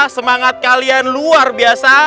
semangat kalian luar biasa